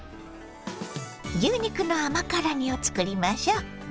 牛肉の甘辛煮を作りましょ。